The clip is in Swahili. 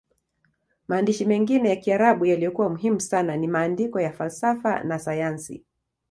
Maandishi mengine ya Kiarabu yaliyokuwa muhimu sana ni maandiko ya falsafa na sayansi.